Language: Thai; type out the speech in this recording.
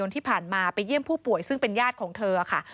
ที่ผ่านมาไปเยี่ยมผู้ป่วยซึ่งเป็นญาติของเธอค่ะ